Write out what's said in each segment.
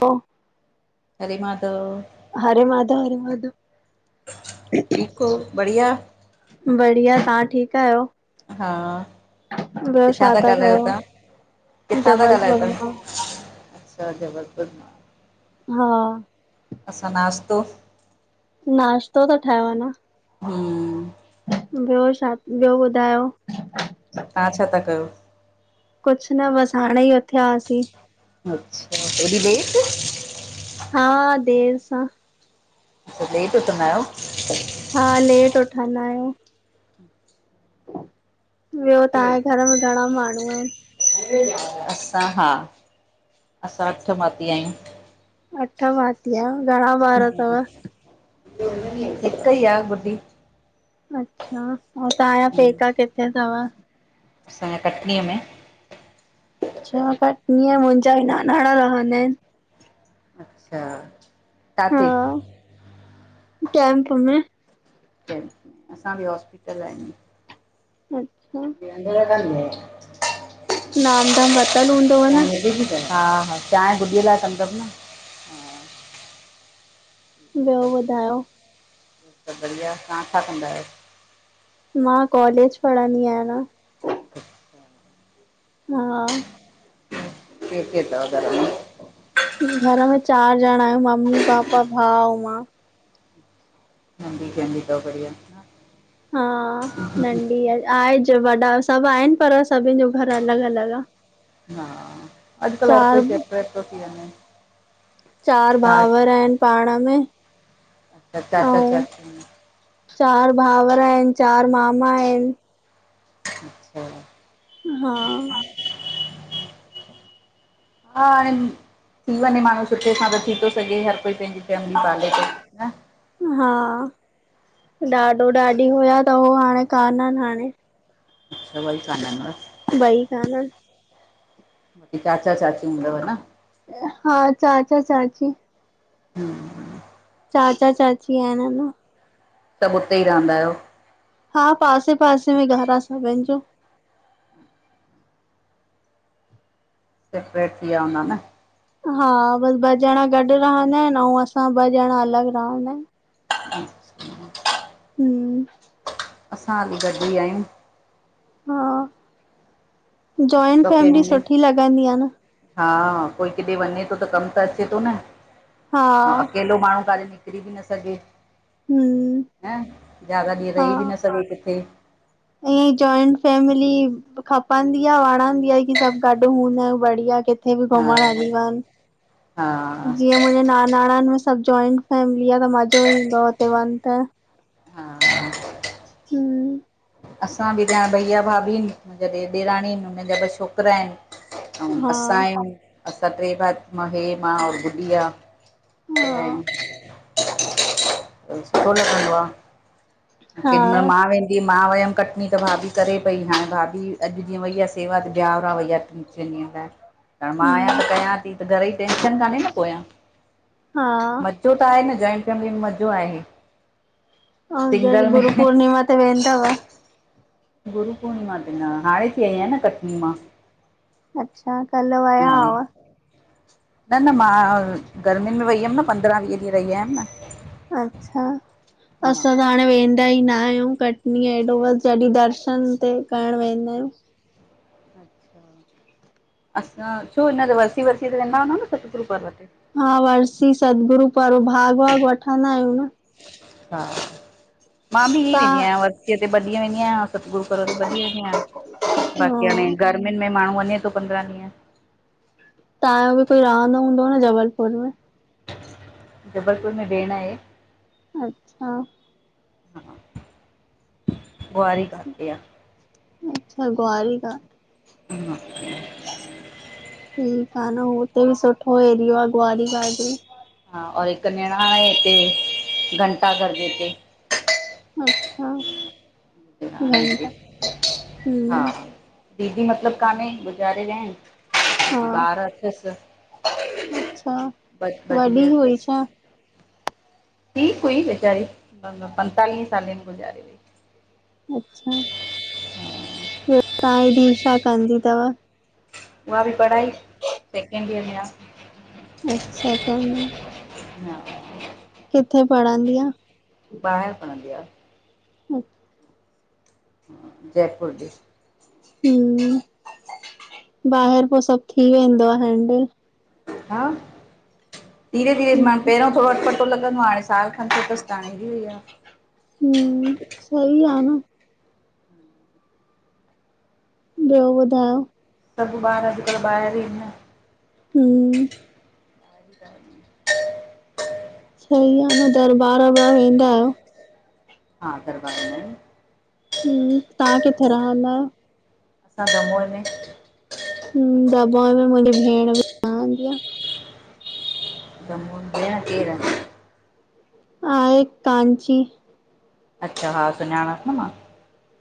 पो हरे माधव! हरे माधव! हरे माधव! ठीक हो, बढ़िया, बढ़िया, तव्हां ठीकु आयो? हा किथां छा ता था ॻाल्हायो तां? कयो किथां ता जबलपुर ॻाल्हायो पिया? मां? अच्छा जबलपुर मां। हा। असां नाश्तो। नाश्तो ता ठाहिव अना। हूं। ॿियो छा ॿियो ॿुधायो। तां छा था कयो? कुछ न बस हाणे ई उथया हुआसीं। अच्छा एॾी लेट? हा देर सां। अ लेट उथंदा आहियो? हा लेट उठ़दा आहियूं। ॿियो ता़जे घर में घणा माण्हू आहिन? असां हा असां अठ भाती आहियूं। अठ भाती आहियो घणा ॿार तव? हिक ई आ गुड्डी। अच्छा और तांजा पेका किथे थव? असांजा कटनीअ में। अच्छा, कटनीअ मुंहिंजा नानाणा रहंदा आहिन। अच्छा काथे? टैंप में। कैंप में असां बि हॉस्पिटल आहियूं। अच्छा। [unintelligible] नाम दान वरतल हूंदव न? हा हा चांहि गुॾीअ लाइ कंदमि न। ॿियो ॿुधायो। सब बढ़िया तां छा कंदा आहियो? मां कॉलेज पढ़ंदी आहियां अना। [inaudible] हा। ॿियो केर तव घर में? घर में चार जणा आयूं। मम्मी पापा भाऊ मां। नंढी नंढी तव बढ़िया। हा नंढी आहे आहेज वॾा सभ आहिन, पर सभिन जो घर अलॻ अलॻ आ। हा अॼकल्ह हर चार कोई सेप्रेट थो थी वञे। चार छा भाउर आहिन पाण में। अच्छा चाचा ऐं चाचियूं? चार भाउर आहिन। चार मामा आहिन। अच्छा। हा। हा हाणे थी वञे माण्हू सुठे सां त थी थो सघे हर कोई पंहिंजी फैमिली पाले तो न। हा ॾाॾो ॾाढी होया त हो हाणे कानन हाणे। [unintelligible] ॿई इंदा न। चाचा चाची हूंदव न। हा चाचा चाची। हु। चाचा चाची आहिन न। सभु उते ई रहंदा आहियो? हा पासे पासे में घर आह सभिनि जो। सेपरेट थी विया हूंदा न। हा बसि ॿ ॼणा गॾु रहंदा आहिन, ऐं असां ॿ ॼणा अलॻि रहंदा आहिन। [inaudible] हु। असां हाली गॾु ई आहियूं। हा जॉइंन ॿ फैमिली फैमिलियूं सुठी लॻंदी आह न। हा कोई किथे वञे थो त कमु त अचे थो न, हा ऐं अकेलो माण्हू कॾे निक करी बि न सघे हम्म न ज़्यादा ॾींहं रही बि न सघे किथे। ईअ इ जोइंट फेमिली खपंदी आह वणंदी आह की सभु गॾ हूंदा आहिनि बढ़िया कि किथे बि हा घुमण हली वञ हा जीअं मुंहिंजे नानाणनि में सभु जॉइंट फैमिली आह त मज़ो ईंदो आह हुते वञ त। हा हु। असां बि [unintelligible] भईया भाभी आहिन, मुंहिंजा ॾेर ॾेराणी आहिन, हुनजा ॿ छोकिरा आहिन। ऐं हा असां आयू असां ट्रे भाउ, हे मां और गुॾी आह। हा ऐं सुठो लॻन्दो आह। हा कॾिहमल मां वे जीअं मां वियम कटनी त भाभी करे पई हाणे भाभी अॼु जीअं वई आह सेवा ते ब्यावरा वई आ [unintelligible] मां आहियां हम्म त कयां थी त घर जी टेंशन कोन आहे न पोयां। हा जो त आहे न जॉइंट फैमिली में मज़ो आहे। हा अॼु सिंगल में गुरु पूर्णिमा ते वेंदव। गुरु पूर्णिमा ते न, हाणे थी आई आहियां न कटनी मां। अच्छा कल वया हा आव। न, न मां गर्मियुनि में वई हुयमि न पंद्रहं वीह ॾींहं रही आयमि न। अच्छा। हा असां त हाणे वेंदा ई न आहियूं कटनीअ हेॾो बि जॾहिं दर्शन ते करणु वेंदा आहियूं। [unintelligible] असां छो हिन वरसी वरसी ते वेंदा हूंदा न सतगुरु पर्व ते। हा वर्सी सदगुरू पर भाग वाग वठंदा आहियूं न। हा मां बि इ वेंदी तव्हां आहियां वर्सीअ ते ॿ ॾींहं वेंदी आहियां। सतगुरू पर्व ते ॿ ॾींहं थी आन बाक़ी हाणे हा गर्मियुनि में माण्हू वञे थो पंद्रहं ॾींहं। तव्हांजो बि कोई रहंदो हूंदो न जबलपुर में। जबलपुर में भेण आहे। अच्छा। ह [unintelligible] आह। अच्छा गुआरी खा। हा। ठीक आ न हुते बि सुठो एरिओ आ गुआरी घाट में। हा और हिक निरांण ए हिते घंटा घर जे हिते अच्छा। ह घंटा हा। हम्म दीदी मतलब कान्हे, गुज़ारे विया इनि हा ॿार अथसि, अच्छा ॿ, ॿ वॾी धीअर हुई तसि। छा ठीकु हुई वेचारी, मतलब पंतालीहें साले में गुज़ारीे वई। अच्छा ॿियो, तहां जी धी छा कंदी तव? उहा बि पढ़ाई, सेकेंड ईयर में आ। अच्छा सेकें में हा। कित्थे पढ़ंदी आ? ॿाहिरि पणंदी आ। हम्म जयपुर ॾे। हम्म, ॿाहिरि पो सभु थी वेंदो आ हैंडिल हा, धीरे- धीरे मान पहिरों थोड़ो अटपट -टो लॻदो आ हांणे साल खन थियो तसि त हाणे हिरी वई आ। हम्म, सही आ न ॿियो ॿुधायो? सभु ॿार अॼुकल्ह ॿहिरि ई न हम्म आहिनि न सही आ न, दरबार वरबार वेंदा आहियो? हा, दरबार वेंदा आहियु न हम्म, तव्हां कित्थे रहंदा आहियो? असां दमोह में। हम्म, दमोह में मुंहिंजी भेण बि रहंदी आ। दमोह में भेंण, केर? आहे कांची। अच्छा, हा सुञांणांसि न मां।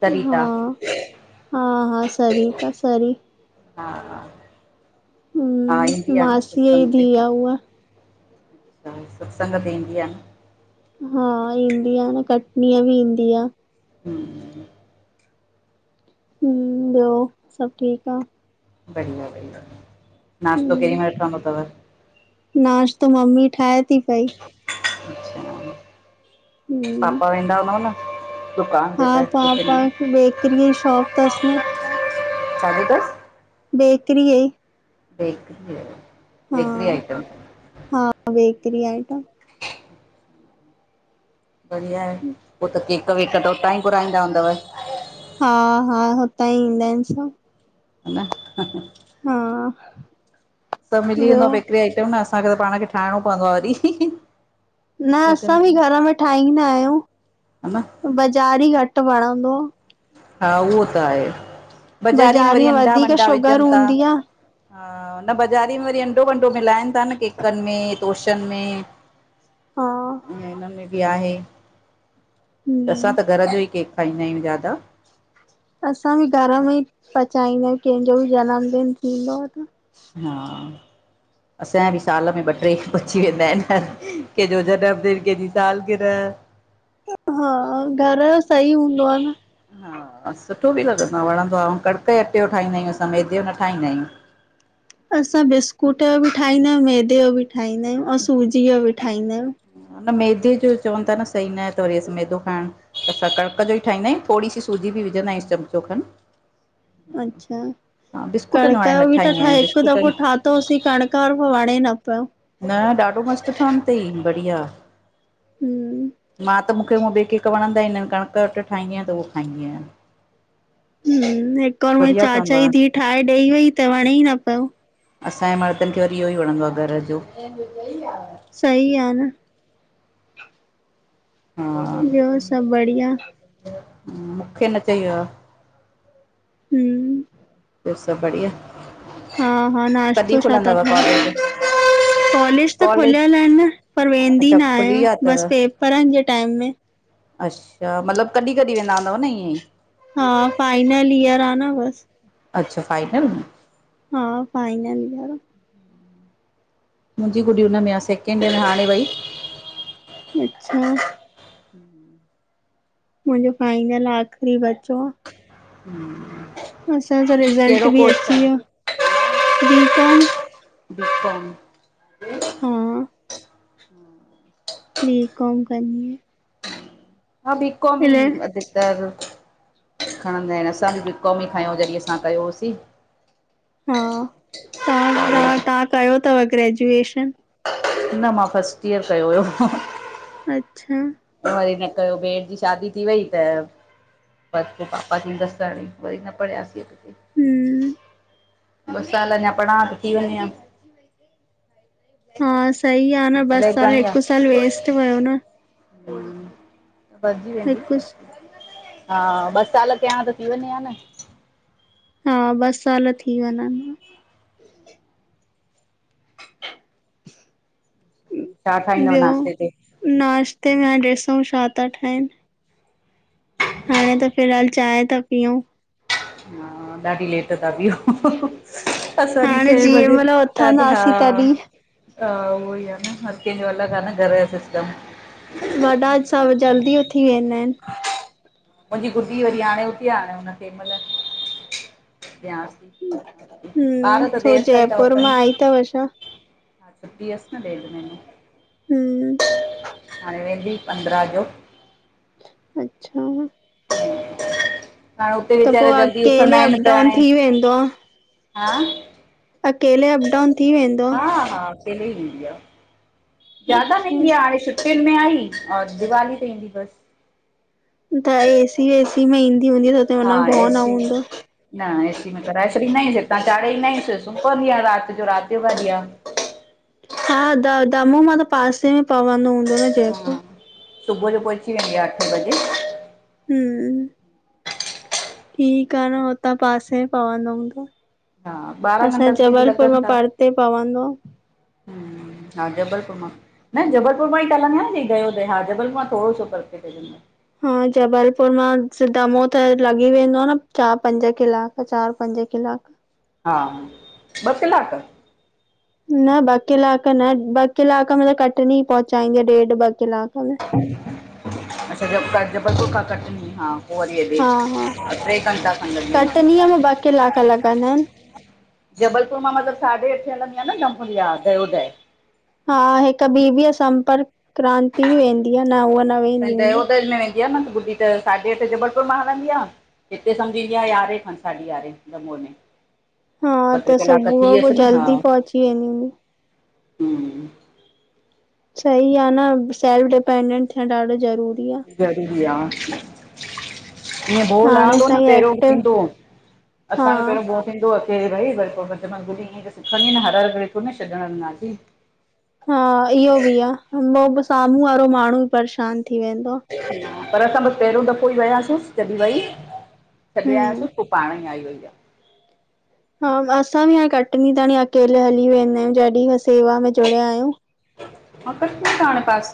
सरिता हा- हा- हा, सरीता सरी हा -हा, ईंदी आ न सत्संग ते। क्या हुआ? त हो सत्संग ते ईंदी आ न। हा ईंदी आ न, कटनीअ बि ईंदी आ हम्म हम्म, ॿियो सभु ठीकु आ? बढ़िया- बढ़िया, नाश्तो केॾी हम्म मल ठहंदो तव? नाश्तो, मम्मी ठाहे ती पई। अच्छा, हम्म पापा वेंदा हुंदव न? दुकान ते हा, त टिफिन पापा खे बेकरीअ जी शॉप तसि न छाजी तसि? बेकरीअ जी। बेकरीअ जो, हा बेकरी आइटम। हा बेकरी आइटम। बढ़िया आहे। पो त केक वेक त उतां ई घुराईंदा हूंदव। हा, हा हुतां ई ईंदा आहिन सभ। हन हा सभ मिली वेंदो ॿियो आ बेकरी आइटम न, असांखे त पाण खे ठाहिणो पवंदो आ वरी। न हा असां बी घर में ठाहींदा न आहियूं। बज़ारी घट वणंदो आ। हा उहो त आहे। आ बज़ारी में बाज़ारी वरी अंडा वधीक वंडा शुगर विझनता। हूंदी आ हा, न बज़ारी में वरी अंडो वंडो मिलाइन ता न, केकन में तोशन में। हा ऐं इनमें बी आहे। त असां हम्म त घर जो ई केक खाईंदा आहियूं ज्यादा। असां बी घर में ई पचाईंदा आहियूं। केंजो बी जन्मदिन थींदो आ त। हा असांजा बी साल में ॿ ट्रे पची वेंदा आहिन। केंजो जन्मदिन केंजी सालगिरह। हा, घर जो सही हूंदो आ न। हा सुठो बी लॻंदो आ। वणंदो आ, अऊं कड़िक जे अटे जो ठाहींदा आहियूं, असां मैदो जो न ठाहींदा आहियूं। असां बिस्कुट जो बी ठाहींदा आहियूं, मैदे जो बी ठाहींदा आयूं अऊं सूजी जो बी ठाहींदा आहियूं। न मैदे जो चवनता न सही न आहे, त वरी असीं मैदो खाइण त असां कणिक जो ई ठाहींदा आहियूं। थोड़ी सी सूजी बी विझंदा आहियूं चमचो खन। अच्छा, बिस्कुटनि कड़क वारे न जो बी तो ठाहींदी ठहे, आहियां हिक दफ़ो बिस्कुटनि ठा तो हुयोसी। कणिक जो वणे न पियो। न ॾाढो मस्त ठहंदो तई बढ़िया, हम्म मां त मूंखे हूअ ॿे केक वणंदा ई न आहिन। कणिक जे कट्टे जो ठाहींदी आयां त उहो खाईंदी आहियां। हूम, हिक बार मुंजे बढ़िया ठहंदो चाचा जी आहे धीउ ठाहे ॾई वई त वणे ई न पियो। असांजे मर्दन खे वरी इहो ई वणंदो आ घर जो। सई आ न। हा ॿियो सभ बढ़िया? मूंखे न चई वियो आ। हूम ॿियो सभ बढ़िया? हा, हा कॾहिं नाश्तो छा ता खुलंदव ठाहियो? कॉलेज कॉलेज त कॉलेज खुलियल आहिनन, पर वेंदी अच्छा न खुली आहियां, विया अथव बस पेपरन जे टाइम में। अच्छा! मतलबु कॾीं-कॾीं वेंदा हूंदव न ईअं ई। हा, फाइनल ईयर आ न बस। अच्छा! फाइनल में? हा, फाईनल ईयर आ। मुंजी गुॾी हुन में आ, सेकेंड में हाणे वई। अच्छा! मुंजो फाइनल, आख़री बचो आ। हम्मम असांजो रिज़ल्ट बी अची वियो, बी कॉम बीकोम [inaudible] हा बी कॉम कंदी आयां। मां बी, कॉम ई अधितर खणंदा एन, असां बि बी, कॉम ई खयों हो जॾहिं असां कयोसीं। हा, तां तां तहां कयो तव ग्रेजुएशन? न मां फस्ट ईयर कयो हुयो। अच्छा! वरी न कयो, भेण जी शादी थी वई त बस पो पापा चईं बस कर, त वरी न पढ़यासे। हम्म ॿ साल अञा पढ़ां हां त थी वञे हां। हा, सही आ न, ॿ ब्लैक साल हिक साल वेस्ट वयो न। भॼी वेंदी हिकु हा, ॿ साल कयां हां त थी वञे हां न। हा, ॿ साल थी वञनहां। छा, ठाईंदव ॿियो नाश्ते ते? नाश्ते में हाणे ॾिसूं छा ता ठायूं। हाणे त फ़िलहाल चांय ता पीयूं। हा, ॾाढी लेट ता पीयो। असांजी हाणे छयें जीअं बजे, महिल चांती हा उथंदासीं तॾहिं हा उहोई आ न, हर केंजो अलॻ आ न, घर जो सिस्टम। वॾा सभ जल्दी उथी वेंदा एन। मुंजी गुॾी वरी हाणे उथी आ, हाणे हुन खे मतलब ॾयांस। हूं, छो जयपुर मां आई तव छा? छुट्टी हस न ॾेढ महिनो। हूं हाणे वेंदी पंद्रा जो। अच्छा हाणे उते त वेचारा पोइ जल्दी अकेले उथंदा एन, अप त डाउन हाणे थी वेंदो आ हा अकेले अप डाउन थी वेंदो? हा हा अकेले ई ईंदी आ, ज्यादा न अच्छा ईंदी आ हाणे छुट् अप्रेल में आई, और दीवाली ते ईंदी बस। त ऐसी-वेसी में ईंदी हूंदी त हुन हा में भउ न एसी हूंदो? न ऐसी में कराए छॾींदायूंस, हितां चाढ़े ईंदायूंस, सुम पवंदी आ रात जो, रात जो गाॾी आ। हा, दा दामू मां त पासे में पवंदो हूंदो न जयपुर? सुबूह जो पहुची वेंदी आ, अठें बजे। हूं ठीक आ न, हुतां पासे में पवंदो हुंदो? हा ॿारहं घंटा असांजे जबलपुर मां परते पवंदो। हूं, हा जबलपुर मां न जबलपुर मां ई त लंघंदा नी, गयोदे हा जबलपुर मां थोड़ो सो परते पेंदो। हा, जबलपुर मां, दामू त लॻी वेंदो न, चार पंज किलाक चार पंज किलाक। हा, ॿ किलाक। न, ॿ किलाक न, ॿ किलाक में त कटनी पहुचाईंदीआ, ॾेढ़ ॿ किलाक में। अच्छा, ज जबलपुर खां कटनीं, हा पो वरी हेॾे, हा हा त ट्रे घंटा कन लॻी वेंदा हूंदा। कटनीअ में ॿ कलाक लॻंदा आहिनि। जबलपुर मां मतलब साढ़े अठें हलंदी आ न, विहार गयोदय। हा हिक ॿी आ संपर्क क्रांति बि वेंदी आ, न हूअ न वेंदी हूंदी। इक मां बुधी त साढे अठे जबरपुर मां हलंदी आ। हिते समुझी इंदी आ यारहें खन साढी यारहें जम्मूअ में। हा ॿ टे त कलाक थी सुबुह जो वियस न हा। जल्दी पहुची वेंदी हूंदी। हूं। सही आ न सेल्फ डिपेंडेंट थियण ॾाढो ज़रूरी आ। ज़रूरी आ। ईअं गोड़ हाणे लहंदो सां न ई पहिरों ब एक्टिव थींदो। हा असांखे पहिरों ब थींदो अचे भई घुमी [unintelligible] हर हर कोन छॾण वेंदासी। हा इहो बि आ। साम्हूं वारो माण्हू परेशान थी वेंदो आ। पर असां बसि पहिरियों दफ़ो ई वियासीं जॾहिं वई छॾे हम्म आयासीं पाणे ई आई वई आ। हा असां बि हाणे कटनी ताणी अकेले हली वेंदा आहियूं। जॾीं खां सेवा में जुड़िया आहियूं। हा कटनी तो हाणे पासे